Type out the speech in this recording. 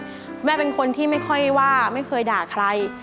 แม่เป็นคนที่ไม่ค่อยว่าไม่เคยด่าใคร